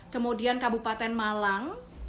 kemudian kabupaten malang